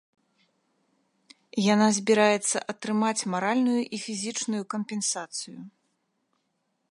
Яна збіраецца атрымаць маральную і фізічную кампенсацыю.